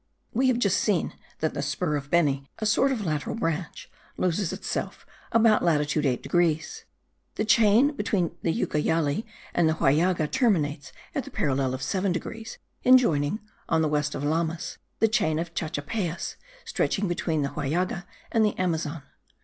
We have just seen that the spur of Beni, a sort of lateral branch, loses itself about latitude 8 degrees; the chain between the Ucayali and the Huallaga terminates at the parallel of 7 degrees, in joining, on the west of Lamas, the chain of Chachapayas, stretching between the Huallaga and the Amazon.